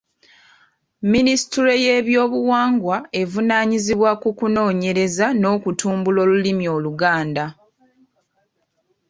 Minisitule y'eby'obuwangwa evunaanyizibwa ku kunoonyereza n’okutumbula olulimi Oluganda.